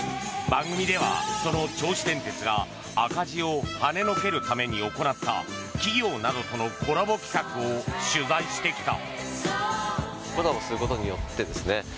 番組ではその銚子電鉄が赤字をはねのけるために行った企業などとのコラボ企画を取材してきた。